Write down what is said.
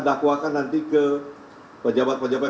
dakwakan nanti ke pejabat pejabat